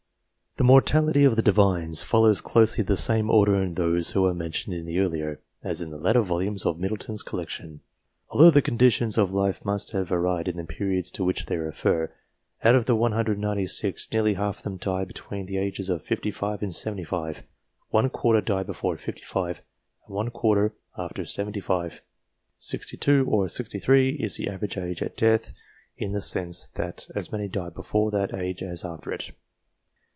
The mortality of the Divines follows closely the same order in those who are mentioned in the earlier, as in the later volumes of Middleton's collection, although the con ditions of life must have varied in the periods to which they refer. Out of the 196, nearly half of them die between the ages of 55 and 75 ; one quarter die before 55, and one quarter after 75 : 62 or 63 is the average age at death, in the sense that as many die before that age as after it.